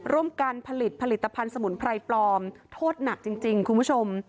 ร่วมกันผลิตผลิตภัณฑ์สมุนไพรปลอมโทษหนักจริงคุณผู้ชม